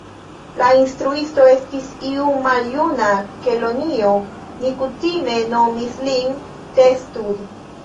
La instruisto estis iu maljuna kelonio ni kutime nomis lin Testud.